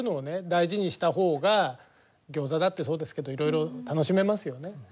大事にしたほうがギョーザだってそうですけどいろいろ楽しめますよね。